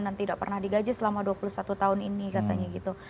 dan tidak pernah digaji selama dua puluh satu tahun ini katanya gitu